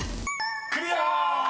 ［クリア！］